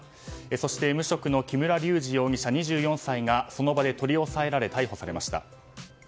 そして無職の木村隆二容疑者、２４歳がその場で取り押さえられ逮捕されました。